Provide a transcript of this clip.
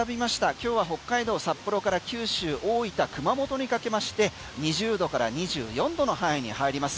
今日は北海道札幌から九州、大分、熊本にかけまして２０度から２４度の範囲に入ります。